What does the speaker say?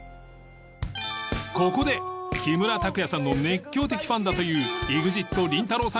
ここで木村拓哉さんの熱狂的ファンだという ＥＸＩＴ りんたろー。